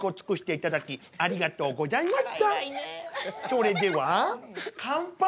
それでは乾杯！